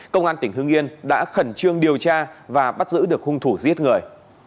công an tỉnh hưng yên đã khẩn trương điều tra và bắt giữ được hung thủ giết người